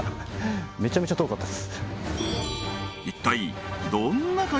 めちゃめちゃ遠かったです